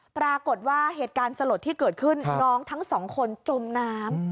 ปรากฏว่าเหตุการณ์สลดที่เกิดขึ้นน้องทั้งสองคนจมน้ำ